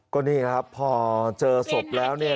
ก็นี่ครับพอเจอศพแล้วเนี่ย